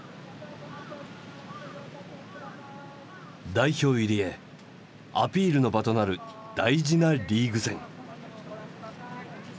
代表入りへアピールの場となる大事なリーグ戦。